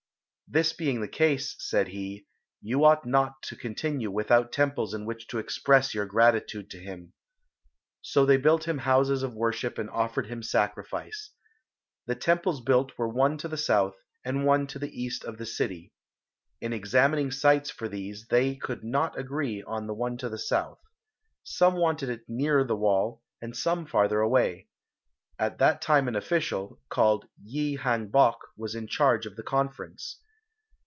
"This being the case," said he, "you ought not to continue without temples in which to express your gratitude to him." So they built him houses of worship and offered him sacrifice. The Temples built were one to the south and one to the east of the city. In examining sites for these they could not agree on the one to the south. Some wanted it nearer the wall and some farther away. At that time an official, called Yi Hang bok, was in charge of the conference.